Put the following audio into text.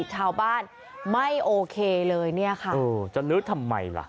ชาวบ้านไม่โอเคเลยเนี่ยค่ะเออจะลื้อทำไมล่ะ